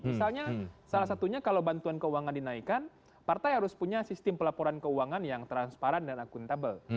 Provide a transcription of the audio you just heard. misalnya salah satunya kalau bantuan keuangan dinaikkan partai harus punya sistem pelaporan keuangan yang transparan dan akuntabel